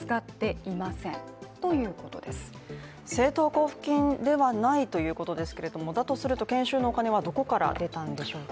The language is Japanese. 政党交付金ではないということですけどもだとすると、研修のお金はどこから出たんでしょうか。